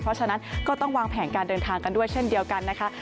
เพราะฉะนั้นก็ต้องวางแผนการเดินทางกันด้วยเช่นเดียวกันนะคะ